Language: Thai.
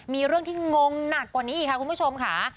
มีเรื่องที่งงหนักกว่านี้อีกค่ะคุณผู้ชมค่ะ